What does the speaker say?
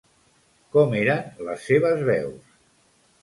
Com eren les seves veus?